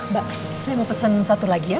mbak saya mau pesan satu lagi ya